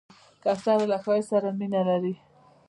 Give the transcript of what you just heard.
کوتره له ښایست سره مینه لري.